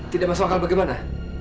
tidak masuk akal bagaimana